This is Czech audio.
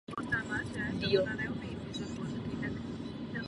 Je absolventem Gymnázia Žďár nad Sázavou.